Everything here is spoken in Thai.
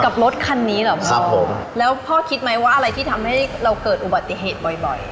รถคันนี้เหรอพ่อครับผมแล้วพ่อคิดไหมว่าอะไรที่ทำให้เราเกิดอุบัติเหตุบ่อยบ่อย